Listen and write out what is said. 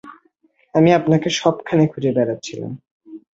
আমি আপনাকে সবখানে খুঁজে বেড়াচ্ছিলাম।